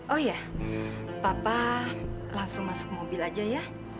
oh ya papa langsung masuk mobil aja ya